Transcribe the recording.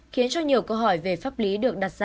khiến cho nhiều câu hỏi về pháp lý được đặt ra